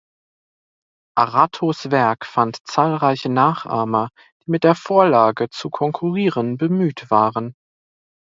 Aratos’ Werk fand zahlreiche Nachahmer, die mit der Vorlage zu konkurrieren bemüht waren.